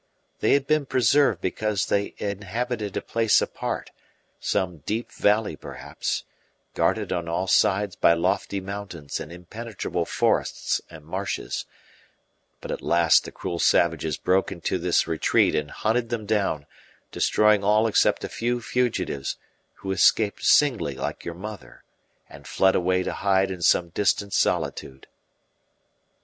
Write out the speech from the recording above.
They had been preserved because they inhabited a place apart, some deep valley perhaps, guarded on all sides by lofty mountains and impenetrable forests and marshes; but at last the cruel savages broke into this retreat and hunted them down, destroying all except a few fugitives, who escaped singly like your mother, and fled away to hide in some distant solitude."